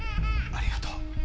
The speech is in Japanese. ありがとう。